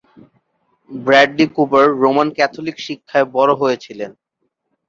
Bradley Cooper Roman Catholic শিক্ষায় বড়ো হয়েছিলেন।